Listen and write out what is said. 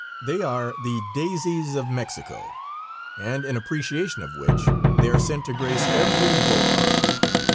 They are the "daisies" of Mexico, and in appreciation of which they are sent to grace every bull fight!